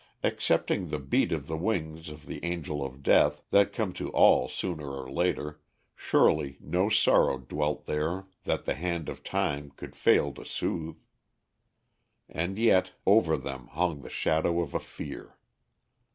Excepting the beat of the wings of the Angel of Death, that comes to all sooner or later, surely no sorrow dwelt there that the hand of time could fail to soothe. And yet over them hung the shadow of a fear.